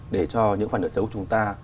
để cho những khoản nợ xấu của chúng ta